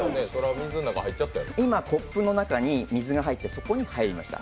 今、コップの中に水が入ってそこに入りました。